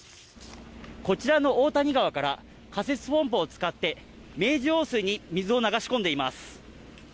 こちらの大谷川から仮設ポンプを使って明治用水に水を流し込んでいます。